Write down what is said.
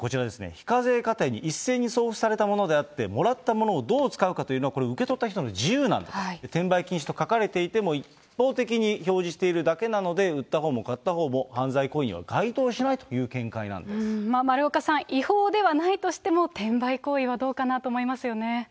非課税家庭に一斉に送付されたものであって、もらったものをどう使うかというのは、これは受け取った人の自由なんだと、転売禁止と書かれていても、一方的に表示しているだけなので、売ったほうも買ったほうも、犯罪行為には該当しないという見解な丸岡さん、違法ではないとしても、転売行為はどうかなと思いますよね。